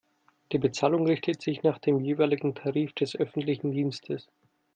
Die Bezahlung richtet sich nach dem jeweiligen Tarif des öffentlichen Dienstes.